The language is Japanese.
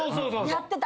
やってた。